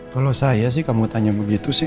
kalau saya sih kamu tanya begitu sih